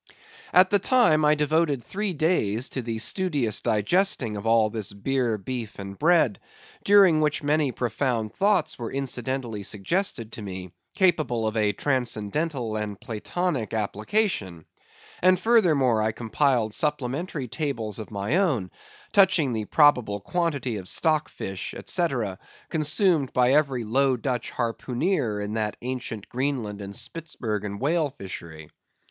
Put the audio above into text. At the time, I devoted three days to the studious digesting of all this beer, beef, and bread, during which many profound thoughts were incidentally suggested to me, capable of a transcendental and Platonic application; and, furthermore, I compiled supplementary tables of my own, touching the probable quantity of stock fish, etc., consumed by every Low Dutch harpooneer in that ancient Greenland and Spitzbergen whale fishery.